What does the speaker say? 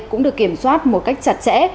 cũng được kiểm soát một cách chặt chẽ